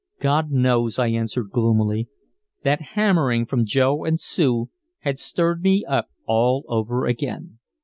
"God knows," I answered gloomily. That hammering from Joe and Sue had stirred me up all over again.